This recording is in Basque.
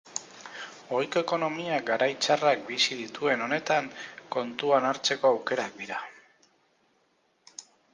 Ohiko ekonomiak garai txarrak bizi dituen honetan kontuan hartzeko aukera dira.